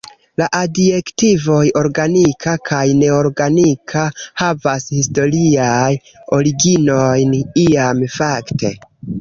La adjektivoj "organika" kaj "neorganika" havas historiajn originojn; iam, fakte.